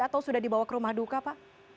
atau sudah dibawa ke rumah duka pak